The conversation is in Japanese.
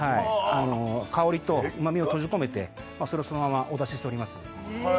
香りとうまみを閉じ込めてそれをそのままお出ししております